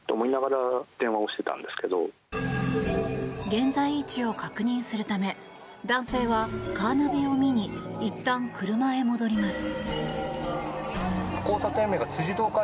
現在位置を確認するため男性はカーナビを見にいったん車へ戻ります。